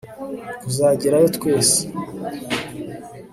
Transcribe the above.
kuzagerayo twese